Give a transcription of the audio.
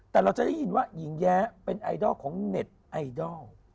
แต่เราจะได้ยินว่าหญิงแย้เป็นไอดอลของเน็ตไอดอล